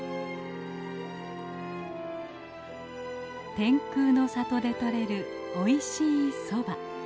天空の里で採れるおいしいソバ。